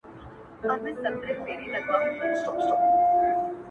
بيزو وان ويل بيزو ته په خندا سه-